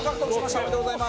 おめでとうございます。